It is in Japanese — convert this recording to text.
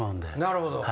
なるほど。